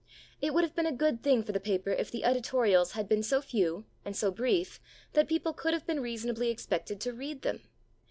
It would have been a good thing for the paper if the editorials had been so few and so brief that people could have been reasonably expected to read them.